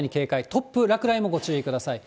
突風、落雷もご注意ください。